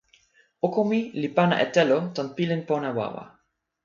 oko mi li pana e telo tan pilin pona wawa.